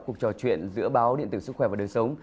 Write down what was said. cuộc trò chuyện giữa báo điện tử sức khỏe và đời sống